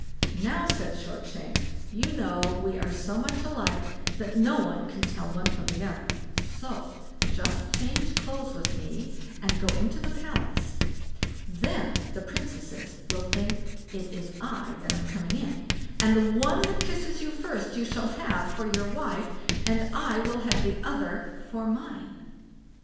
"Now", said Shortshanks, "you know, we are so much alike, that no one can tell the one from the other; so just change clothes with me and go into the palace; then the princesses will think it is I that am coming in, and the one that kisses you first you shall have for your wife, and I will have the other for mine."